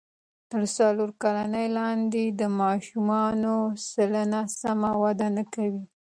تر څلور کلنۍ لاندې د ماشومانو سلنه سمه وده نه کوي.